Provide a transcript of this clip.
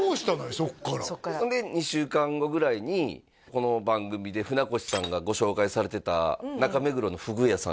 そっからそっからこの番組で船越さんがご紹介されてた中目黒のフグ屋さん